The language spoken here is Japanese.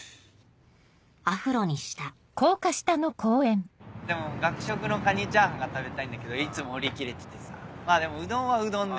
アフロにしたでも学食のカニチャーハンが食べたいんだけどいつも売り切れててさまぁでもうどんはうどんで。